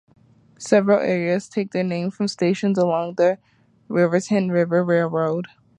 Several areas take their name from stations along the Raritan River Railroad.